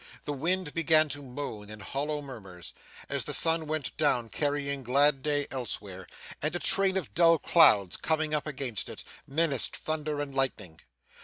The wind began to moan in hollow murmurs, as the sun went down carrying glad day elsewhere; and a train of dull clouds coming up against it, menaced thunder and lightning.